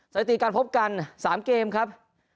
สวัสดีกันพบกัน๓เกมครับ